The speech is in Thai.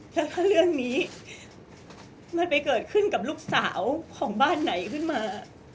แล้วถ้าเรื่องนี้มันไปเกิดขึ้นกับลูกสาวของบ้านไหนขึ้นมา